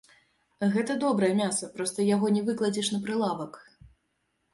Гэта добрае мяса, проста яго не выкладзеш на прылавак.